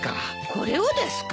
これをですか？